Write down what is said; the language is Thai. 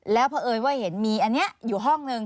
แล้วเห็นว่าอีกอยู่ห้องหนึ่ง